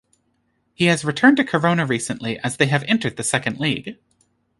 He has returned to Korona recently as they have entered the second league.